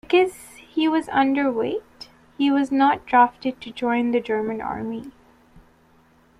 Because he was underweight, he was not drafted to join the German Army.